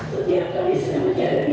setiap kali saya menjelajahi hal ini